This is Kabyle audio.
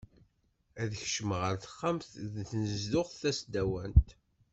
Ad kecmeɣ ɣer texxamt deg tnezduɣt tasdawant.